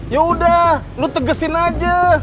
yaudah lu tegesin aja